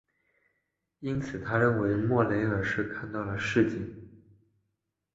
因此他认为莫雷尔是看到了蜃景。